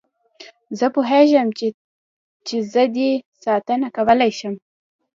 زه پوهېږم چې زه دې ساتنه کولای شم.